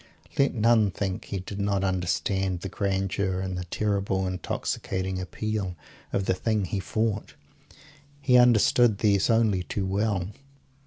Let none think he did not understand the grandeur, and the terrible intoxicating appeal, of the thing he fought. He understood these only too well.